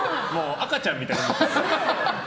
赤ちゃんみたいな。